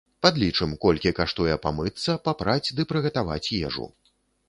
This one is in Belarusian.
Падлічым, колькі каштуе памыцца, папраць ды прыгатаваць ежу.